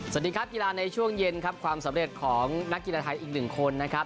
สวัสดีครับกีฬาในช่วงเย็นครับความสำเร็จของนักกีฬาไทยอีกหนึ่งคนนะครับ